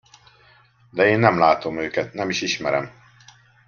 De én nem látom őket, nem is ismerem!